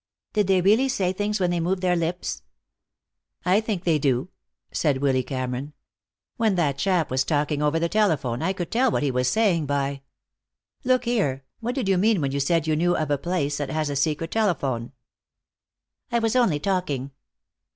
"Did they really say things when they moved their lips?" "I think they do," said Willy Cameron. "When that chap was talking over the telephone I could tell what he was saying by Look here, what did you mean when you said you knew of a place that has a secret telephone?" "I was only talking."